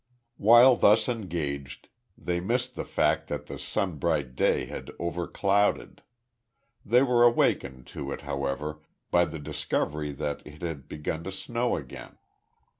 While thus engaged, they missed the fact that the sun bright day had overclouded. They were awakened to it, however, by the discovery that it had begun to snow again.